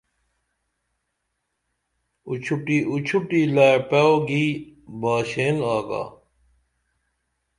اُچھوٹی اُچھوٹی لاپعئو گی باشین آگا